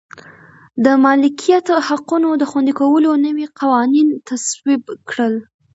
د مالکیت حقونو د خوندي کولو نوي قوانین تصویب کړل.